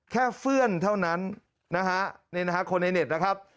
เพื่อนเท่านั้นนะฮะนี่นะฮะคนในเน็ตนะครับ